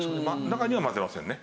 中には混ぜませんね。